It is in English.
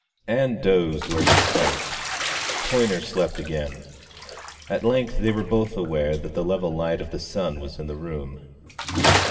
Ann dosed where she sat. Toyner slept again. At length they were both aware that the level light of the sun was in the room.